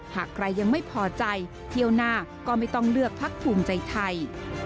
หากใครยังไม่พอใจเที่ยวหน้าก็ไม่ต้องเลือกพักภูมิใจไทย